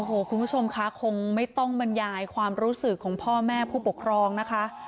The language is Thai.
โอ้โหคุณผู้ชมคะคงไม่ต้องบรรยายความรู้สึกของพ่อแม่ผู้ปกครองนะคะ